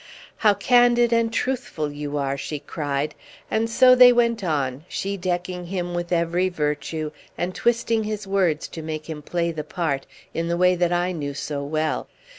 "How candid and truthful you are!" she cried; and so they went on, she decking him with every virtue, and twisting his words to make him play the part, in the way that I knew so well.